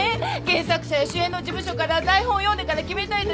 原作者や主演の事務所から台本読んでから決めたいと言われ。